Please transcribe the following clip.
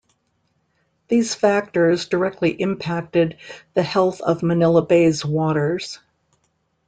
These factors directly impacted the health of Manila Bay's waters.